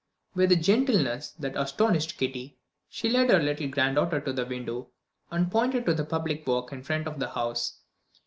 With a gentleness that astonished Kitty, she led her little granddaughter to the window, and pointed to the public walk in front of the house.